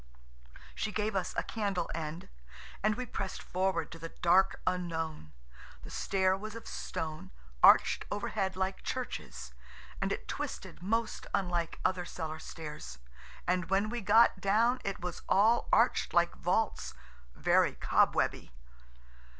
She gave us a candle end, and we pressed forward to the dark unknown. The stair was of stone, arched overhead like churches–and it twisted most unlike other cellar stairs And when we got down it was all arched like vaults, very cobwebby.